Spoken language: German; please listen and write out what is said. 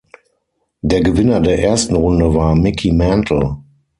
Der Gewinner der ersten Runde war Mickey Mantle.